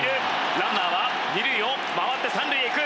ランナーは二塁を回って三塁へ行く。